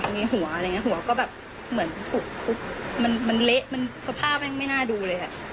มีหัวอะไรอย่างนี้หัวก็แบบเหมือนถูกทุบมันเละมันสภาพไม่น่าดูเลย